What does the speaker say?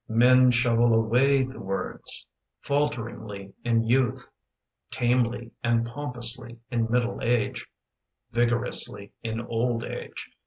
[*5] Men shovel away the words: Falteringly in youth; Tamely and pompously in middle age; Vigorously in old age.